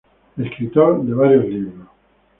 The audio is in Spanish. Escritor de varios libros.